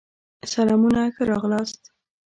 سلامونه ښه راغلاست